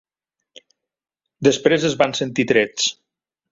Després, es van sentir trets.